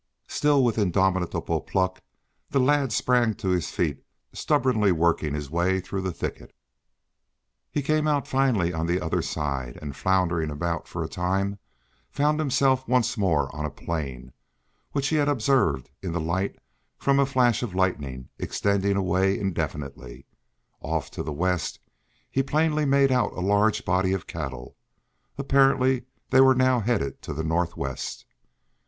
Still, with indomitable pluck, the lad sprang to his feet, stubbornly working his way through the thicket. He came out finally on the other side and floundering about for a time, found himself once more on a plain, which he had observed in the light from a flash of lightning extended away indefinitely. Off to the west, he plainly made out a large body of cattle. Apparently they were now headed to the northwest.